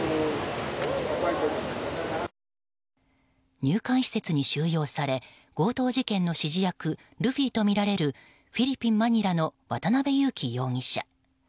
入管施設に収容され強盗事件の指示役ルフィとみられるフィリピン・マニラの渡辺優樹容疑者。